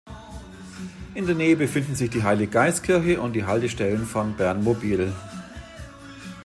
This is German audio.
In der Nähe befinden sich die Heiliggeistkirche und die Haltestellen von Bernmobil.